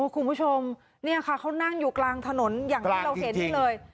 คุณผู้ชมเนี่ยค่ะเขานั่งอยู่กลางถนนอย่างที่เราเห็นนี่เลย